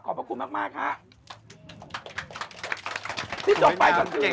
ขอบพระคุณมากค่ะ